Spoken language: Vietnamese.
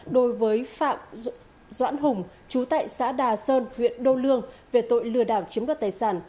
đối với phạm doãn hùng chú tại xã đà sơn huyện đô lương về tội lừa đảo chiếm đoạt tài sản